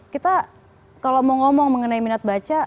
kita kalau mau ngomong mengenai minat baca